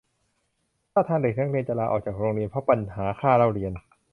ท่าทางเด็กนักเรียนจะลาออกจากโรงเรียนเพราะปัญหาค่าเล่าเรียน